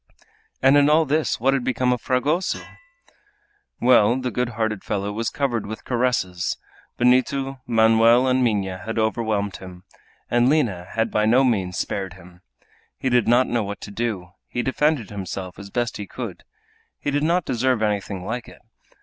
And in all this what had become of Fragoso? Well, the good hearted fellow was covered with caresses! Benito, Manoel, and Minha had overwhelmed him, and Lina had by no means spared him. He did not know what to do, he defended himself as best he could. He did not deserve anything like it.